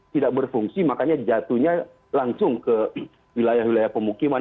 tidak berfungsi makanya jatuhnya langsung ke wilayah wilayah pemukiman